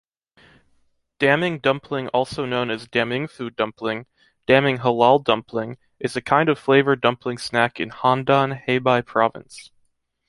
Daming dumpling also known as Damingfu dumpling, Daming Halal dumpling, is a kind of flavor dumpling snack in Handan, Hebei Province.